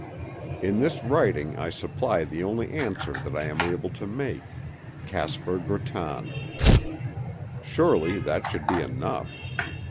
In this writing I supply the only answer that I am able to make—Caspar Grattan. Surely, that should be enough.